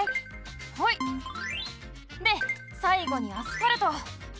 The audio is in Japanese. ホイ！でさいごにアスファルト。